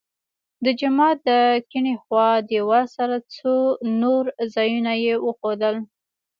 د جومات د کیڼې خوا دیوال سره څو نور ځایونه یې وښودل.